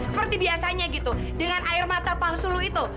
seperti biasanya gitu dengan air mata palsu lu itu